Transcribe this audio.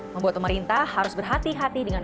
membuat pemerintah harus berhati hati dengan